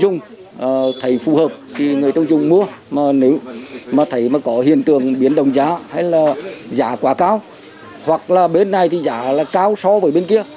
nếu có hiện tượng biến đồng giá hay giá quá cao hoặc bên này giá cao so với bên kia